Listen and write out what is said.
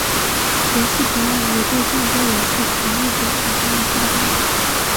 游戏同样也对众多游戏从业者产生了巨大影响。